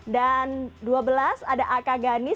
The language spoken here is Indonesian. dan dua belas ada a k ghani